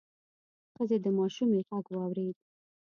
ښځې د ماشومې غږ واورېد: